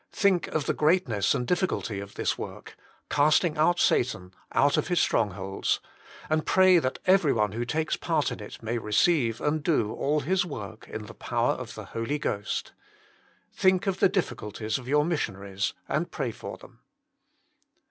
Think of the greatness and difficulty of this work, casting out Satan out of his strongholds, and pray that everyone who takes part in it may receive and do all his work in the power of the Holy Ghost. Think of the difficulties of your missionaries, and pray for them.